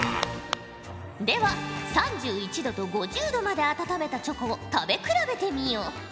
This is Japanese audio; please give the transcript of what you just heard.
では３１℃と５０℃まで温めたチョコを食べ比べてみよ。